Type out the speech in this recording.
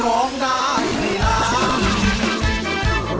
หลองได้ไหนละ